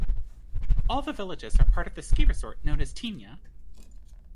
All the villages are part of the ski resort known as Tignes.